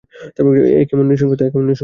এ কেমন নৃশংসতা?